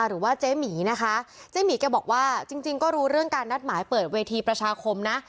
หรือว่าเจ๊หมีนะคะเจ๊หมีแกบอกว่าจริงจริงก็รู้เรื่องการนัดหมายเปิดเวทีประชาคมนะ